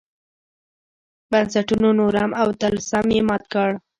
بنسټونو نورم او طلسم یې مات کړ.